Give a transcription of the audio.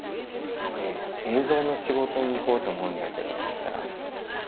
「映像の仕事にいこうと思うんだけど」って言ったら